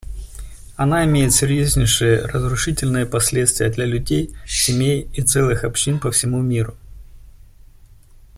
Она имеет серьезнейшие разрушительные последствия для людей, семей и целых общин по всему миру.